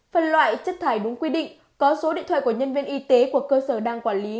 phân loại chất thải đúng quy định có số điện thoại của nhân viên y tế của cơ sở đang quản lý